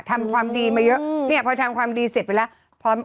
ทำความดีมาเยอะเนี่ยพอทำความดีเสร็จไปแล้วพร้อม